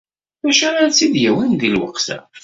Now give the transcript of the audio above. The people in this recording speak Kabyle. D acu ara tt-id-yawin deg lweqt-a?